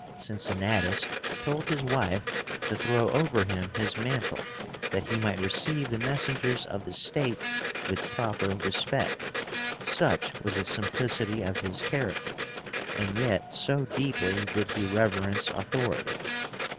Cincinnátus told his wife to throw over him his mantle, that he might receive the messengers of the state with proper respect. Such was the simplicity of his character, and yet so deeply did he reverence authority.